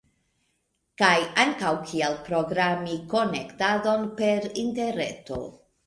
Kaj ankaŭ kiel programi konektadon per interreto